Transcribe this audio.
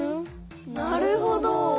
なるほど！